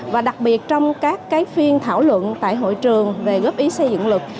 và đặc biệt trong các phiên thảo luận tại hội trường về góp ý xây dựng luật